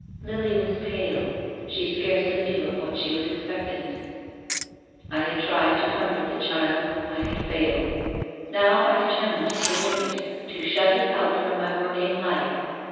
Lily was pale. She scarcely knew of what she was expectant. " I had tried to comfort the child. I had failed. Now I determined to forget it, to shut it out from my working life.